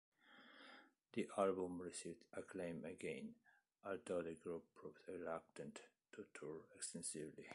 The album received acclaim again, although the group proved reluctant to tour extensively.